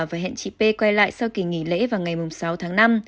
và hẹn chị p quay lại sau kỳ nghỉ lễ vào ngày sáu tháng năm